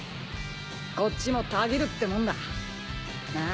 こっちもたぎるってもんだ。なあ？